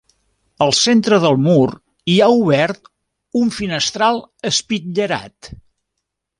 Al centre del mur hi ha obert un finestral espitllerat.